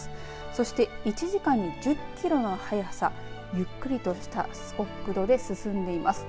そして１時間に１０キロの速さゆっくりとした速度で進んでいます。